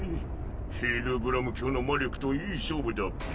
ヘルブラム卿の魔力といい勝負だっぺ。